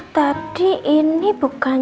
tadi ini bukan